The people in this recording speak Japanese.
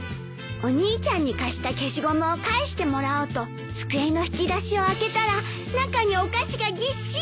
お兄ちゃんに貸した消しゴムを返してもらおうと机の引き出しを開けたら中にお菓子がぎっしり。